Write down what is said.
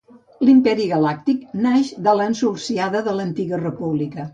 L'Imperi Galàctic naix de l'ensulsiada de l'Antiga República.